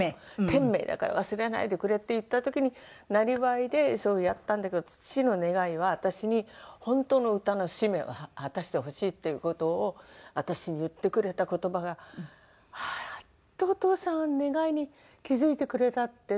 「天命だから忘れないでくれ」って言った時になりわいでやったんだけど父の願いは私に本当の歌の使命は果たしてほしいっていう事を私に言ってくれた言葉がやっとお父さん願いに気付いてくれたって。